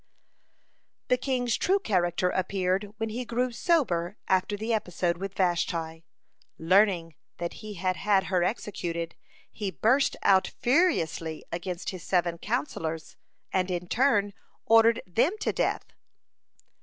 (51) The king's true character appeared when he grew sober after the episode with Vashti. Learning that he had had her executed, he burst out furiously against his seven counsellors, and in turn ordered them to death.